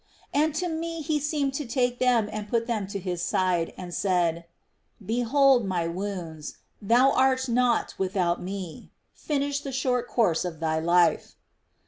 And to me He seemed to take them and to put them to His side, and said :" Behold My wounds ; thou art not without Me. Finish the short course of thy life."